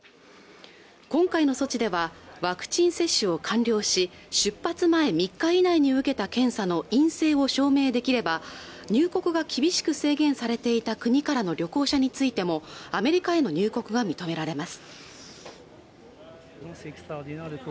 今回の措置ではワクチン接種を完了し出発前３日以内に受けた検査の陰性を証明できれば入国が厳しく制限されていた国からの旅行者についてもアメリカへの入国が認められます